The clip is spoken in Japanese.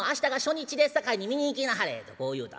さかいに見に行きなはれ』とこう言うた。